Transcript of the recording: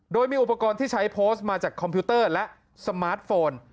โดยมีอุปกรณ์ที่ใช้โพสต์มาจากคอมพิวเตอร์และสมาร์ทโฟน